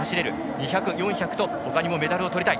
２００、４００とほかにもメダルをとりたい。